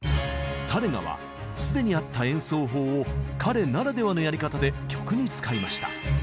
タレガは既にあった演奏法を彼ならではのやり方で曲に使いました。